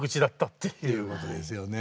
ということですよね。